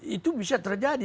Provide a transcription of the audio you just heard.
itu bisa terjadi